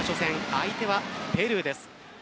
相手はペルーです。